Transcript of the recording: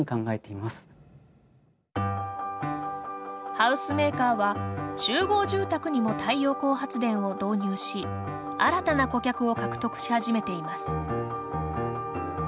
ハウスメーカーは集合住宅にも太陽光発電を導入し新たな顧客を獲得し始めています。